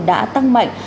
đã tăng mạnh